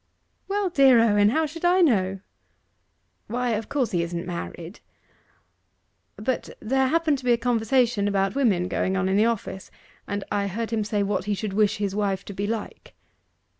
'Well, dear Owen, how should I know?' 'Why, of course he isn't married. But there happened to be a conversation about women going on in the office, and I heard him say what he should wish his wife to be like.